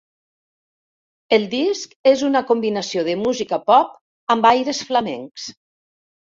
El disc és una combinació de música pop amb aires flamencs.